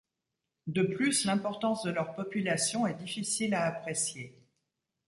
De plus, l'importance de leur population est difficile à apprécier.